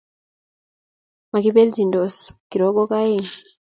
Makibeelchindos kirogon aeng